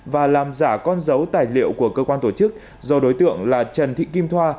và làm giả con dấu tài liệu của cơ quan tổ chức do đối tượng là trần thị kim thoa